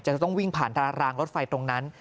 จะต้องวิ่งผ่านรางรถไฟตรงนั้น